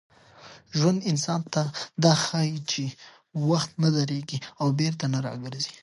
ژوند انسان ته دا ښيي چي وخت نه درېږي او بېرته نه راګرځي.